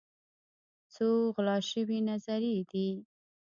څو غلا شوي نظريې دي